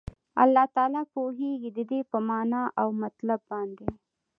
الله تعالی پوهيږي ددي په معنا او مطلب باندي